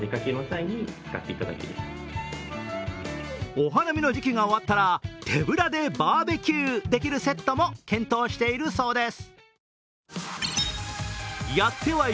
お花見の時期が終わったら手ぶらでバーベキューできるセットも検討しているそうです。